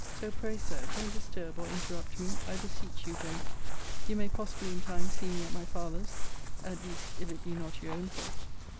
So, pray, Sir, don't disturb or interrupt me I beseech you don't. You may possibly in time see me at my father's; at least if it be not your own fault.